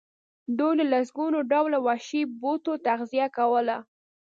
دوی له لسګونو ډوله وحشي بوټو تغذیه کوله.